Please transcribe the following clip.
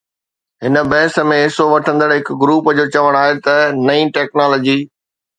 هن بحث ۾ حصو وٺندڙ هڪ گروپ جو چوڻ آهي ته نئين ٽيڪنالاجي